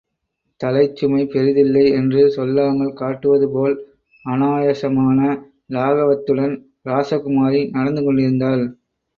தலைச்சுமை பெரிதில்லை என்று சொல்லாமல் காட்டுவதுபோல் அனாயசமான லாகவத்துடன் ராசகுமாரி நடந்து கொண்டிருந்தாள்.